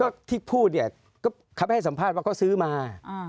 ก็ที่พูดก็เขาไปให้สัมภาษณ์ก็ซื้อมา